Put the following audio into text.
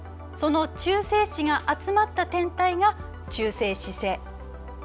その中性子が集まった天体が中性子星。